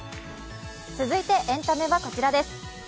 続いてエンタメはこちらです。